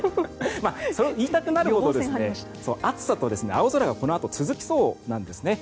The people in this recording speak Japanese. そう言いたくなるほど暑さと青空がこのあと続きそうなんですね。